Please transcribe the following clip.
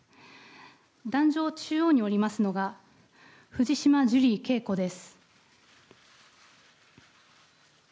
檀上中央におりますのが藤島ジュリー景子です。